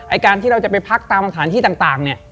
ไอ้การที่เราจะไปพักตามฐานที่ต่าง